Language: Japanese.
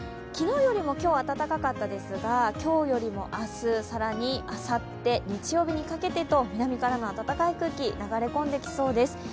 昨日よりも今日暖かかったですが今日よりも明日、更にあさって、日曜日にかけて南からも暖かい空気流れ込んできそうです。